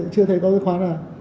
chưa thấy có cái khóa nào